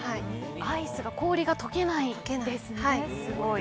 アイスが氷が溶けないんですね。